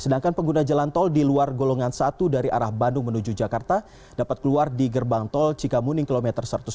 sedangkan pengguna jalan tol di luar golongan satu dari arah bandung menuju jakarta dapat keluar di gerbang tol cikamuning kilometer satu ratus tujuh puluh